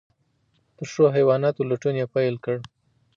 د ښو حیواناتو لټون یې پیل کړ.